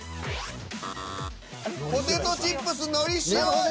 ポテトチップスのりしお味。